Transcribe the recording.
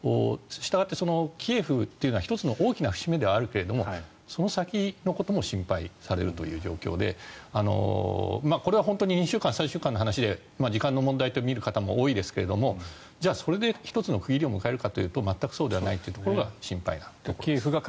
したがってキエフというのは１つの大きな節目ではあるけどその先のことも心配される状況でこれは本当に２週間、３週間の話で時間の問題と見る方も多いですけれども、それで１つの区切りを迎えるかというと全くそうではないというところが心配です。